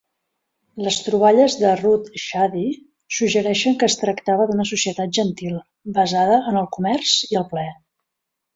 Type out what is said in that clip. Les troballes de Ruth Shady suggereixen que es tractava d'una societat gentil, basada en el comerç i el plaer.